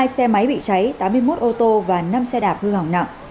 bốn trăm chín mươi hai xe máy bị cháy tám mươi một ô tô và năm xe đạp hư hỏng nặng